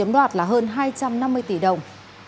loạt là hơn hai trăm năm mươi tỷ đồng